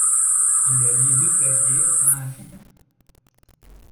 Il a lié deux claviers par un fil.